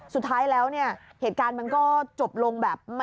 สุดท้ายแล้วเนี่ยเหตุการณ์มันก็จบลงแบบ